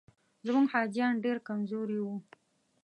زموږ حاجیان ډېر کمزوري وو.